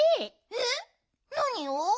えっなにを？